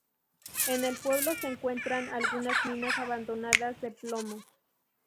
En el pueblo se encuentran algunas minas abandonadas de plomo.